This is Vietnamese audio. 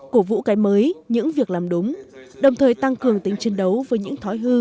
cổ vũ cái mới những việc làm đúng đồng thời tăng cường tính chiến đấu với những thói hư